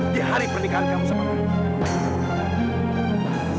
di hari pernikahan kamu sama aini